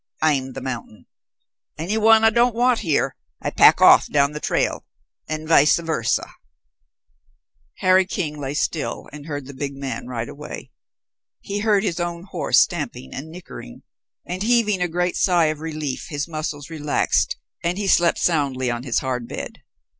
I'm the mountain. Any one I don't want here I pack off down the trail, and vice versa." Harry King lay still and heard the big man ride away. He heard his own horse stamping and nickering, and heaving a great sigh of relief his muscles relaxed, and he slept soundly on his hard bed.